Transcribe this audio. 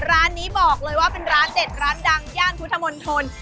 ร้านนี้บอกเลยว่าเป็นร้านเด็ดร้านดังย่านพุทธมนตร